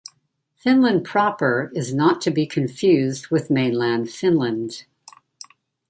Finland Proper is not to be confused with Mainland Finland.